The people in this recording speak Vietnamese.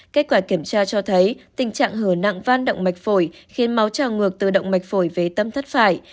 kết quả kiểm tra cho thấy tình trạng hở nặng van động mạch phổi khiến máu trào ngược từ động mạch phổi về tâm thất phải